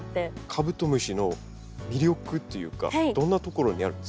カブトムシの魅力っていうかどんなところにあるんですか？